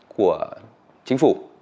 của chính phủ